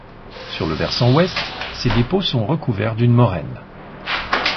Sur le versant ouest ces dépôts sont recouverts d’une moraine.